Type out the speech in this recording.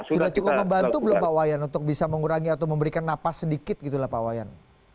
sudah cukup membantu belum pak wayan untuk bisa mengurangi atau memberikan napas sedikit gitu lah pak wayan